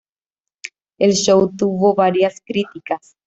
El show tuvo varias críticas.